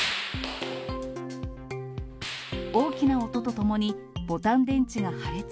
大きな音とともにボタン電池が破裂。